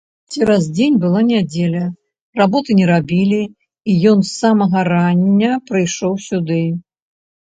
Цераз дзень была нядзеля, работы не рабілі, і ён з самага рання прыйшоў сюды.